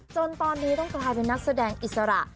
จนตอนนี้ต้องกลายเป็นนักแสดงอิสระ